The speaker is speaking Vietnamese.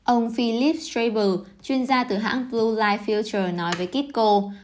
ông philip straber chuyên gia từ hãng blue light future nói với kitco